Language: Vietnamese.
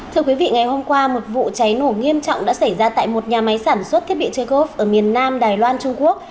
thưa quý vị ngày hôm qua một vụ cháy nổ nghiêm trọng đã xảy ra tại một nhà máy sản xuất thiết bị chekov ở miền nam đài loan trung quốc